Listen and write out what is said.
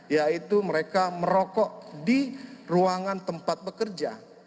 yaitu mereka merokok di ruangan tempat bekerja